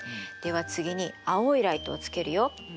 では次に青いライトをつけるよ。